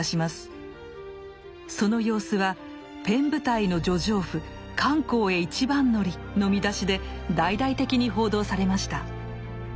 その様子は「ペン部隊の女丈夫漢口へ一番乗り」の見出しで大々的に報道されました。